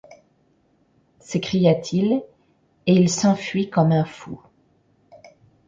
s’écria-t-il, et il s’enfuit comme un fou